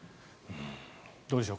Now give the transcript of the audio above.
どうでしょう？